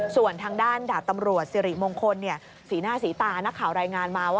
ส่วนทางด้านดาบตำรวจสิริมงคลสีหน้าสีตานักข่าวรายงานมาว่า